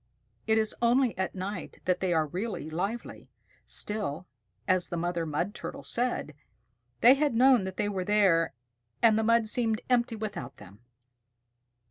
It is only at night that they are really lively. Still, as the Mother Mud Turtle said, "They had known that they were there, and the mud seemed empty without them."